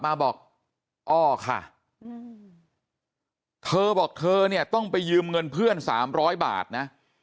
มาบอกอ้อค่ะเธอบอกเธอเนี่ยต้องไปยืมเงินเพื่อน๓๐๐บาทนะ